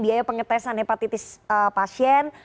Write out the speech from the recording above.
biaya pengetesan hepatitis akut